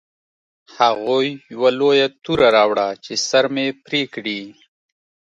هغوی یوه لویه توره راوړه چې سر مې پرې کړي